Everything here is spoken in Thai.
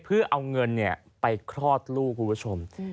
เพื่อเอาเงินไปคลอดลูกคุณผู้ชม